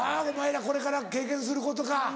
お前らこれから経験することか。